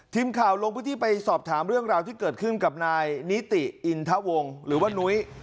ทีมข่าวลงพื้นที่ไปสอบถามเรื่องราวที่เกิดขึ้นกับนายนิติอินทะวงหรือว่านุ้ย